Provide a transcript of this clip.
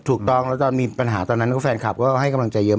ถูกต้องแล้วตอนมีปัญหาตอนนั้นก็แฟนคลับก็ให้กำลังใจเยอะ